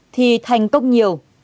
thì thành công nhiều